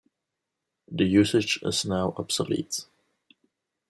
This usage is now obsolete.